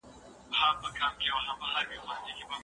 ټولنیز تعامل د اړیکو د پیاوړتیا لامل دی.